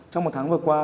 trong một tháng vừa qua